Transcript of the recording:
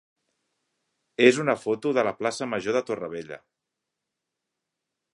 és una foto de la plaça major de Torrevella.